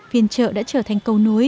phiên chợ đã trở thành câu nối